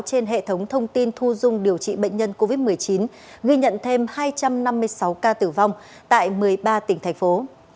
trên hệ thống thông tin thu dung điều trị bệnh nhân covid một mươi chín ghi nhận thêm hai trăm năm mươi sáu ca tử vong tại một mươi ba tỉnh thành phố